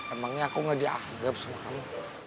emangnya aku gak dianggap sama kamu